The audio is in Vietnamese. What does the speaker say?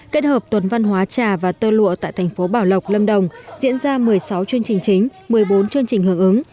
kết hợp tuần văn hóa trà và tơ lụa tại thành phố bảo lộc lâm đồng diễn ra một mươi sáu chương trình chính một mươi bốn chương trình hưởng ứng